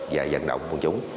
và giận động của chúng